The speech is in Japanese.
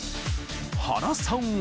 ［原さんは］